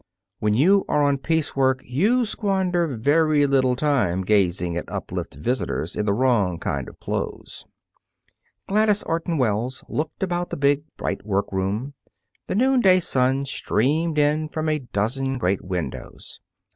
When you are on piece work you squander very little time gazing at uplift visitors in the wrong kind of clothes. Gladys Orton Wells looked about the big, bright workroom. The noonday sun streamed in from a dozen great windows.